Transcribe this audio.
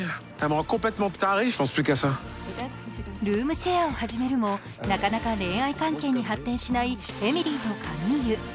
ルームシェアを始めるもなかなか恋愛関係に発展しないエミリーとカミーユ。